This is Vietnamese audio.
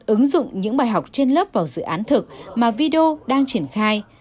ứng dụng những bài học trên lớp vào dự án thực mà video đang triển khai